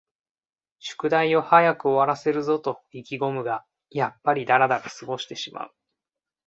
宿題を早く終わらせるぞと意気ごむが、やっぱりだらだら過ごしてしまう